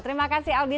terima kasih aldi